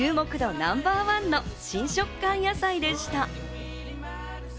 ナンバーワンの新食感野菜でした。